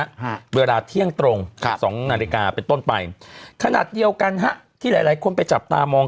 ฮะเวลาเที่ยงตรงครับสองนาฬิกาเป็นต้นไปขนาดเดียวกันฮะที่หลายหลายคนไปจับตามอง